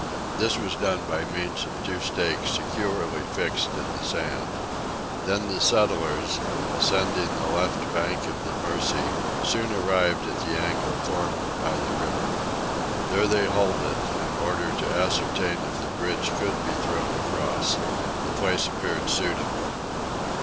This was done by means of two stakes securely fixed in the sand. Then the settlers, ascending the left bank of the Mercy, soon arrived at the angle formed by the river. There they halted, in order to ascertain if the bridge could be thrown across. The place appeared suitable.